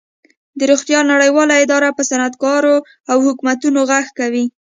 د روغتیا نړیواله اداره په صنعتکارو او حکومتونو غږ کوي